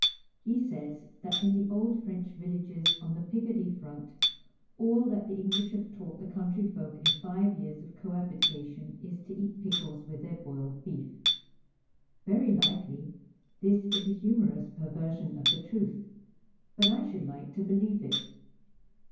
He says that in the old Freneh villages on the Picardy front all that the English have taught the countryfolk in five years of cohabitation is to eat pickles with their boiled beef. Very likely this is a humorous perver sion of the truth ; but I should like to believe it.